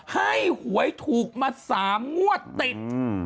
ให้หวยถูกมา๓มั่วติด